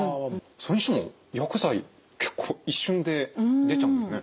それにしても薬剤結構一瞬で出ちゃうんですね。